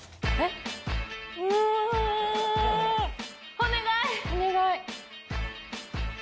お願い。